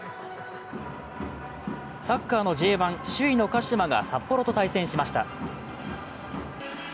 サッカーのＪ１、首位の鹿島が札幌と対戦しました。